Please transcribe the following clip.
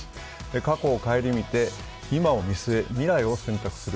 過去を顧みて今を見据え、未来を選択する。